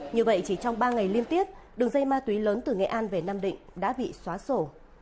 như vậy chỉ trong ba ngày liên tiếp đường dây ma túy lớn từ nghệ an về nam định đã bị xóa sổ